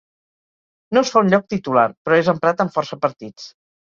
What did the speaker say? No es fa un lloc titular, però és emprat en força partits.